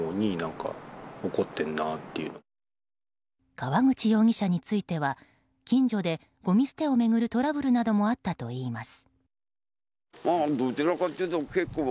川口容疑者については近所でごみ捨てを巡るトラブルなどもあったといいます。